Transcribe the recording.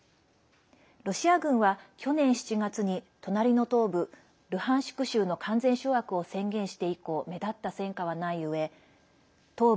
ロシア軍は去年７月に隣の東部ルハンシク州の完全掌握を宣言して以降目立った戦果はないうえ東部